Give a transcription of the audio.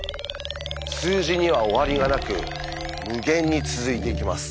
数字には終わりがなく無限に続いていきます。